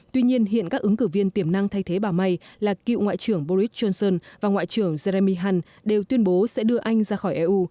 tuy nhiên hiện các ứng cử viên tiềm năng thay thế bà may là cựu ngoại trưởng boris johnson và ngoại trưởng jeremy hunt đều tuyên bố sẽ đưa anh ra khỏi eu